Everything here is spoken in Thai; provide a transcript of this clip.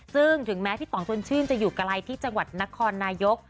ซึ่งถึงแม้พี่ต่องชวนชื่นจะอยู่ไกลที่จังหวัดนครนายก